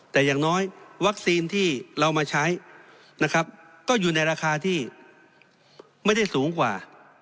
แต่อย่างน้อยวัคซีนที่เรามาใช้นะครับก็อยู่ในราคาที่ไม่ได้สูงกว่า